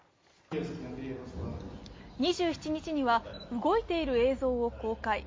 ２７日には動いている映像を公開。